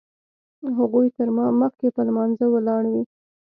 هغوی تر ما مخکې په لمانځه ولاړ وي.